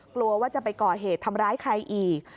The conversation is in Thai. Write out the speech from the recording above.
กลัวว่าจะไปก่อเหตุทำร้ายใครอีก